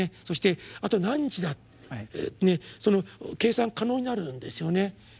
そしてあと何日だその計算可能になるんですよね。